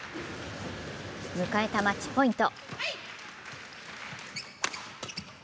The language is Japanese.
迎えたマッチポイント。